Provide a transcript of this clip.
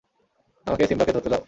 আমাকে সিম্বাকে ধরতে দাও!